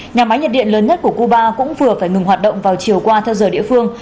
nhà máy nhiệt điện lớn nhất của cuba cũng vừa phải ngừng hoạt động vào chiều qua theo giờ địa phương